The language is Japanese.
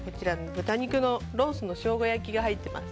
豚肉のロースのショウガ焼きが入っています。